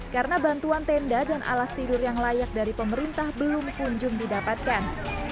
karena bantuan tenda dan alas tidur yang layak dari pemerintah belum kunjung didapatkan